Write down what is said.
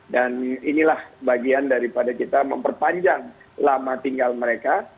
dan inilah bagian daripada kita memperpanjang lama tinggal mereka